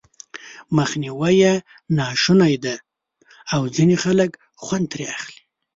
مخنيوی یې ناشونی دی او ځينې خلک خوند ترې اخلي.